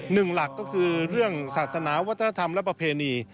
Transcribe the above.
หนึ่งหลักก็คือเรื่องศาสนาวัฒนธรรมและประเพณี